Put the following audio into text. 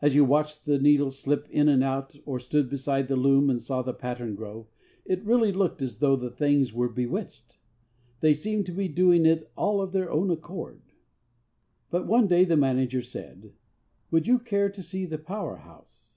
As you watched the needles slip in and out, or stood beside the loom and saw the pattern grow, it really looked as though the things were bewitched. They seemed to be doing it all 'of their own accord.' But one day the manager said, 'Would you care to see the power house?'